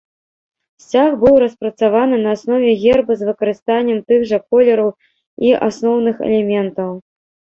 Сцяг быў распрацаваны на аснове герба з выкарыстаннем тых жа колераў і асноўных элементаў.